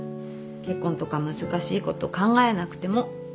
結婚とか難しいこと考えなくても。